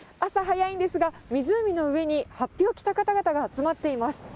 朝早いんですが、湖の上にはっぴを着た方々が集まっています。